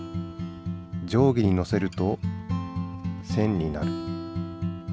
じょうぎにのせると線になる。